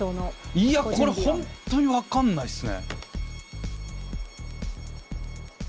いやこれ本当に分かんないっすね。